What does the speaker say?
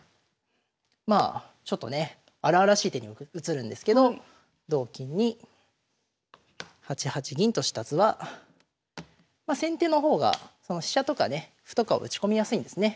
まあちょっとね荒々しい手に映るんですけど同金に８八銀とした図はま先手の方がその飛車とかね歩とかを打ち込みやすいんですね。